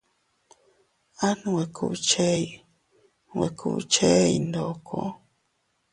At nwe kubchey nwe kubchey ndoko.